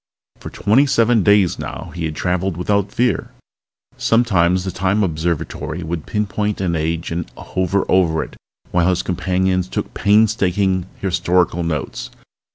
For twenty seven days now he had traveled without fear. Sometimes the Time Observatory would pinpoint an age and hover over it while his companions took painstaking historical notes.